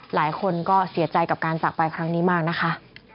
หลายคนก็เสียใจกับการจากไปครั้งนี้มากนะคะ